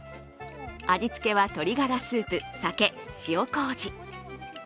味付けは、鶏ガラスープ酒、塩こうじ。